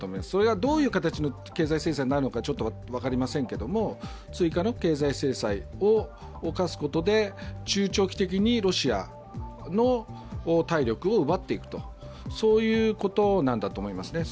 それがどういう形の経済制裁になるのか分かりませんけれども追加の経済制裁を科すことで中長期的にロシアの体力を奪っていくということなんだと思います。